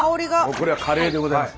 これはカレーでございます。